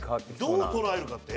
どう捉えるかって？